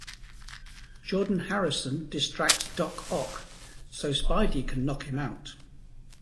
Jordan Harrison distracts Doc Ock so Spidey can knock him out.